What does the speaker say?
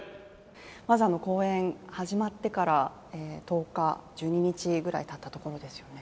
まずは公演、始まってから１２日ぐらいたったところですよね。